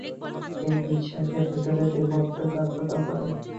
সেই বিশ্বাসই ভিতরের দেবত্ব জাগ্রত করে।